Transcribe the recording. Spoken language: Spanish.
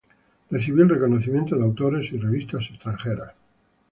Recibió el reconocimiento de autores y revistas extranjeras.